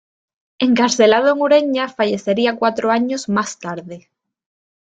Encarcelado en Urueña fallecería cuatro años más tarde.